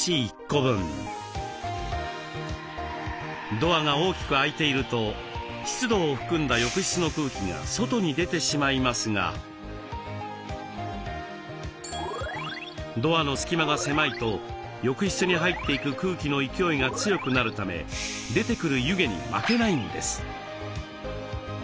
ドアが大きく開いていると湿度を含んだ浴室の空気が外に出てしまいますがドアの隙間が狭いと浴室に入っていく空気の勢いが強くなるため出てくる湯気に負けないんです。